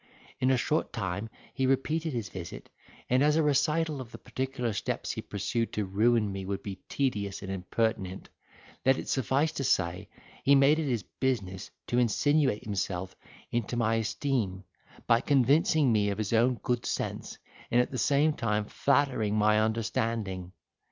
In a short time he repeated his visit; and as a recital of the particular steps he pursued to ruin me would be tedious and impertinent, let it suffice to say, he made it his business to insinuate himself into my esteem, by convincing me of his own good sense, and at the same time flattering my understanding.